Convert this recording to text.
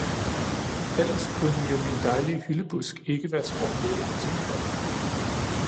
Ellers kunne jo min dejlige hyldebusk ikke være sprunget ud af tepotten